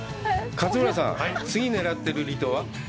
勝村さん、次狙ってる離島は？